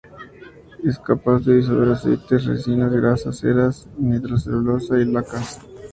Es capaz de disolver aceites, resinas, grasa, ceras, nitrocelulosa y lacas.